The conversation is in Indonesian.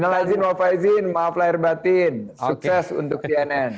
minal adin wal faizin maaf lahir batin sukses untuk cnn